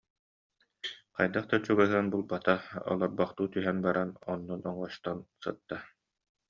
Хайдах да чугаһыан булбата, олорболуу түһэн баран оннун оҥостон сытта